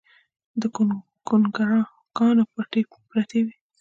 د ګونګروګانو پټۍ پرتې وې